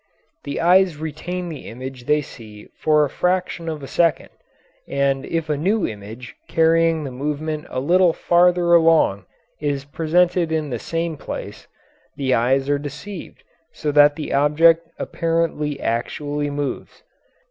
The eyes retain the image they see for a fraction of a second, and if a new image carrying the movement a little farther along is presented in the same place, the eyes are deceived so that the object apparently actually moves.